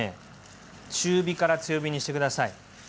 中火から強火にして下さい。